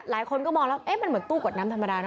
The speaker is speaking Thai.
หลายคนก็มองแล้วมันเหมือนตู้กดน้ำธรรมดานะ